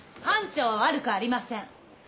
班長は悪くありません！